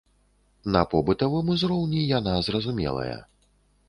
На побытавым узроўні яна зразумелая.